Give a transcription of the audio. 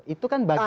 itu kan bagian